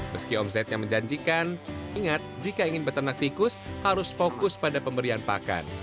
meski om zed yang menjanjikan ingat jika ingin peternak tikus harus fokus pada pemberian pakan